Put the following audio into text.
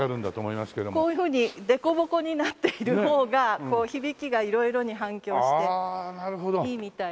こういうふうに凸凹になっている方が響きが色々に反響していいみたいで。